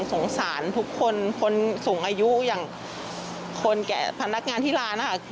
สงสารทุกคนคนสูงอายุอย่างคนแก่พนักงานที่ร้านนะคะ